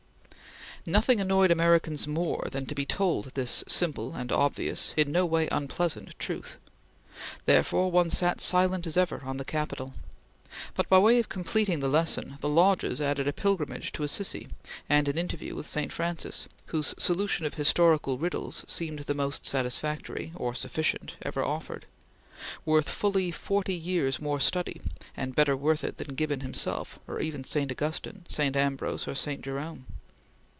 Nothing annoyed Americans more than to be told this simple and obvious in no way unpleasant truth; therefore one sat silent as ever on the Capitol; but, by way of completing the lesson, the Lodges added a pilgrimage to Assisi and an interview with St. Francis, whose solution of historical riddles seemed the most satisfactory or sufficient ever offered; worth fully forty years' more study, and better worth it than Gibbon himself, or even St. Augustine, St. Ambrose, or St. Jerome.